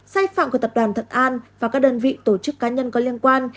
sai phạm của tập đoàn thuận an và các đơn vị tổ chức cá nhân có liên quan